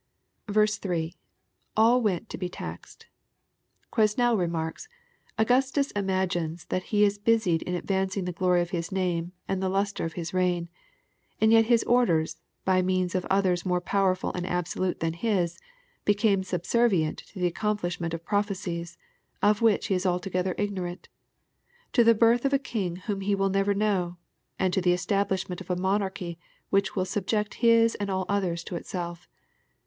3. — [All tpetU to he taxed.] Quesnel remarks, " Augustus imagines thai ne is busied in advancing the glory of his name, and the lustre of his reign. And yet his orders, by means of others more powerful and absolute than his, become subservient to the accomplishment of prophecies, of which he is altogether ignorant, — ^to the birth of a king whom he will never know, — and to the establishment of a monarchy, which will subject his and all others to itself.